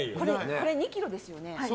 これ２ｋｇですよね。